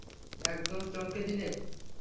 একদম চমকে দিলে!